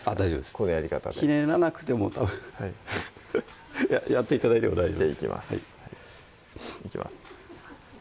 このやり方でひねらなくてもたぶんやって頂いても大丈夫ですじゃあいきますいきます